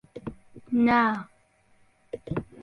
نا.